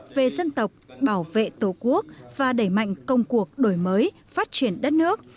về dân tộc bảo vệ tổ quốc và đẩy mạnh công cuộc đổi mới phát triển đất nước